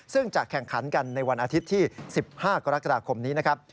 ซึ่งจะแข่งขันกันในวันอาทิตย์ที่๑๕กรกฎาคมนี้นะครับ